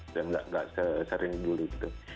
dan nggak sesering dulu gitu